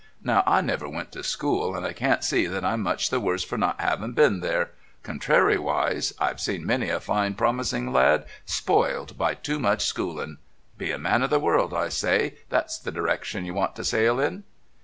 Now I never went to school, and I can't see that I'm much the worse for not 'aving been there. Contrariwise I've seen many a fine promising lad spoiled by too much schoolin'. Be a man of the world, I say; that's the direction you want to sail in."